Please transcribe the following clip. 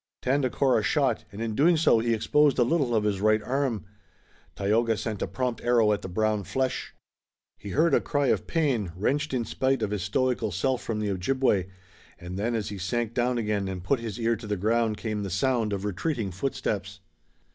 Tandakora shot, and in doing so he exposed a little of his right arm. Tayoga sent a prompt arrow at the brown flesh. He heard a cry of pain, wrenched in spite of his stoical self from the Ojibway, and then as he sank down again and put his ear to the ground came the sound of retreating footsteps.